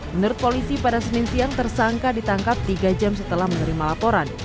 menurut polisi pada senin siang tersangka ditangkap tiga jam setelah menerima laporan